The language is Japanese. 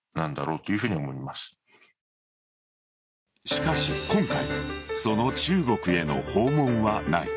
しかし、今回その中国への訪問はない。